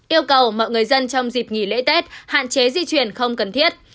yêu cầu mọi người dân trong dịp nghỉ lễ tết hạn chế di chuyển không cần thiết